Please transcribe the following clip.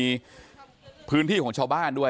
หายไปตั้งกี่ปีแล้วอยู่ก็บอกว่ามันจะมาแบบนี้